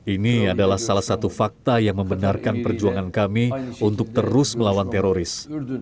ini adalah salah satu fakta yang membenarkan perjuangan kami untuk terus melawan teroris